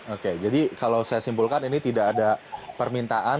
oke jadi kalau saya simpulkan ini tidak ada permintaan